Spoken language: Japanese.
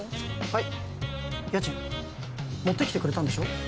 はい家賃持ってきてくれたんでしょ